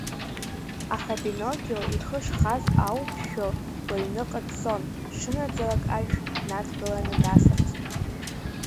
Аха Пиноккио ихы шхаз Ауԥшәыл лыҩныҟа дцон, дшынаӡалак ашә днадгыланы дасырц.